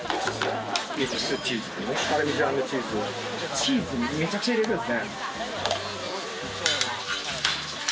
チーズ、めちゃくちゃ入れるんですね。